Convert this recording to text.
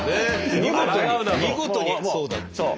見事にそうだっていう。